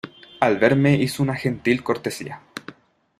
al verme hizo una gentil cortesía,